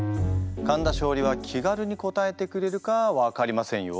神田松鯉は気軽に答えてくれるか分かりませんよ。